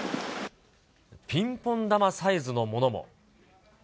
ピンポン球サイズのものも。